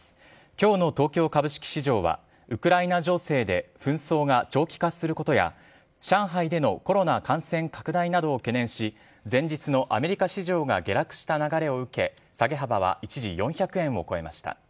きょうの東京株式市場は、ウクライナ情勢で紛争が長期化することや、上海でのコロナ感染拡大などを懸念し、前日のアメリカ市場が下落した流れを受け、下げ幅は一時４００円を超えました。